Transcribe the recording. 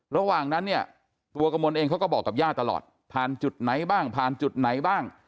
ระหว่างนั้นเนี่ยตัวกระมวลเองเขาก็บอกกับย่าตลอดผ่านจุดไหนบ้างผ่านจุดไหนบ้าง